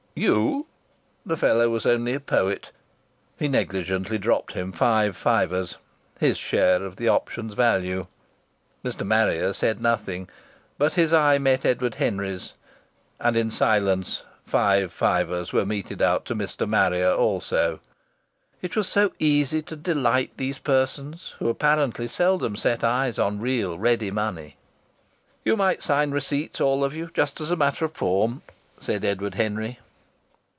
"You!" The fellow was only a poet. He negligently dropped him five fivers, his share of the option's value. Mr. Marrier said nothing, but his eye met Edward Henry's, and in silence five fivers were meted out to Mr. Marrier also.... It was so easy to delight these persons who apparently seldom set eyes on real ready money. "You might sign receipts, all of you, just as a matter of form," said Edward Henry.